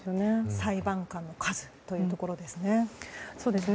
裁判官の数というところですね。